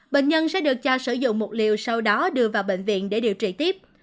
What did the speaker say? bệnh nhân sẽ được cho sử dụng một liều sau đó đưa vào bệnh viện để điều trị tiếp